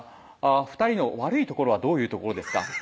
「２人の悪いところはどういうところですか？」